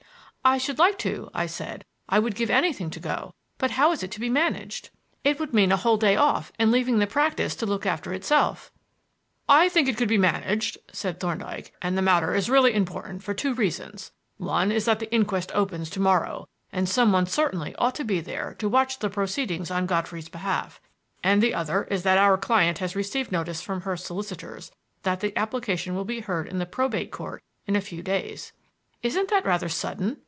"I should like to," I said. "I would give anything to go; but how is it to be managed? It would mean a whole day off and leaving the practise to look after itself." "I think it could be managed," said Thorndyke; "and the matter is really important for two reasons. One is that the inquest opens to morrow, and some one certainly ought to be there to watch the proceedings on Godfrey's behalf; and the other is that our client has received notice from Hurst's solicitors that the application will be heard in the Probate Court in a few days." "Isn't that rather sudden?"